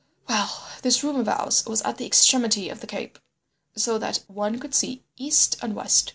"Well, this room of ours was at the extremity of the cape, so that one could see east and west.